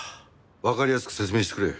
わかりやすく説明してくれ。